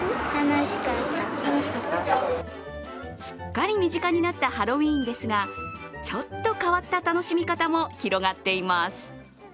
すっかり身近になったハロウィーンですがちょっと変わった楽しみ方も広がっています。